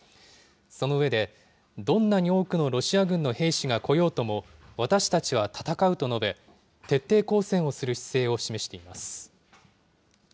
その上で、どんなに多くのロシア軍の兵士が来ようとも、私たちは戦うと述べ、徹底抗戦をする姿勢を示しています。